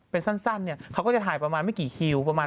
เป็นสั้นเขาก็จะถ่ายไม่กี่คิวประมาณ